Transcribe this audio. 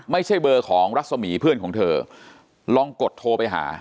ไม่ใช่เบอร์ของรัศมีร์เพื่อนของเธอลองกดโทรไปหา